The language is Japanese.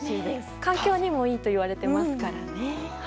環境にもいいといわれてますからね。